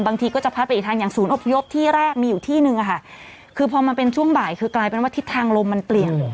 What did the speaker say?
บางทีก็จะพัดไปอีกทางอย่างศูนย์อพยพที่แรกมีอยู่ที่นึงอะค่ะคือพอมันเป็นช่วงบ่ายคือกลายเป็นว่าทิศทางลมมันเปลี่ยน